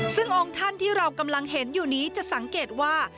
ซึ่งองค์ท่านที่เรากำลังเห็นอยู่นี้จะสังเกตว่า